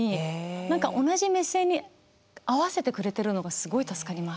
何か同じ目線に合わせてくれてるのがすごい助かります。